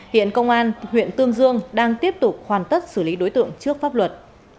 hiện công an huyện tương dương đang tiếp tục hoàn tất xử lý đối tượng trước pháp luật